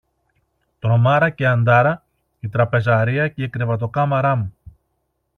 Τρομάρα και Αντάρα, η τραπεζαρία και η κρεβατοκάμαρα μου.